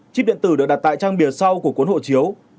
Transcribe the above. chip điện tử được đặt tại trang bìa sau của cuốn hộ chiếu